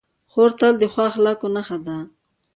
خور تل د ښو اخلاقو نښه ده.